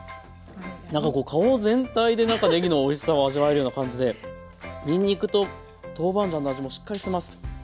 なんかこう顔全体でなんかねぎのおいしさを味わえるような感じでにんにくと豆板醤の味もしっかりしてます。